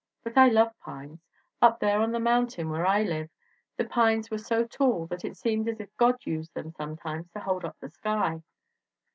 But I love pines. Up there on the mountain, where I lived, the pines were so tall that it seemed as if God used them sometimes to hold up the sky.'